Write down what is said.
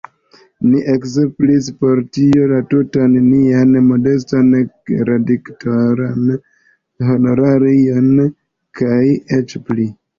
Ni elspezis por tio la tutan nian modestan redaktoran honorarion kaj eĉ pli.